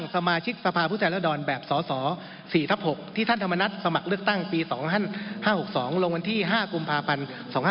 สมาชิกสภาพผู้แทนรัศดรแบบสส๔ทับ๖ที่ท่านธรรมนัฐสมัครเลือกตั้งปี๒๕๖๒ลงวันที่๕กุมภาพันธ์๒๕๕๙